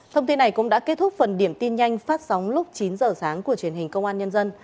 thông tin này cũng đã kết thúc phần điểm tin nhanh phát sóng lúc chín giờ sáng của truyền hình công an nhân dân